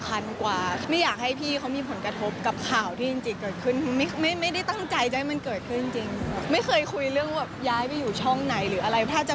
แล้วมาอยู่ตรงนี้ได้ใช่คนอื่นในการนำทางหรือเปล่า